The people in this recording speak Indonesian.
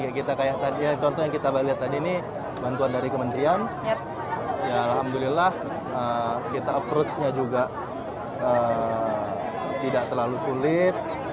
ya kita kayak tadi contoh yang kita lihat tadi ini bantuan dari kementerian ya alhamdulillah kita approach nya juga tidak terlalu sulit